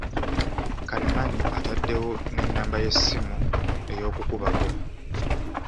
Karemani ataddewo n'ennamba ey'essimu ey’okukubako.